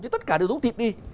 chứ tất cả đều rút thịt đi